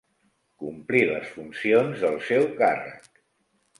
Complir les funcions del seu càrrec.